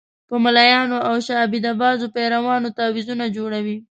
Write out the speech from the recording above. په ملایانو او شعبده بازو پیرانو تعویضونه جوړېږي.